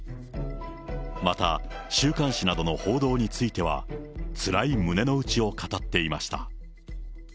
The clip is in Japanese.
また、週刊誌などの報道については、つらい胸の内を語っていました。